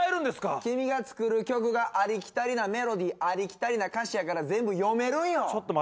君が作る曲がありきたりなメロディーありきたりな歌詞やから全部読めるんよ！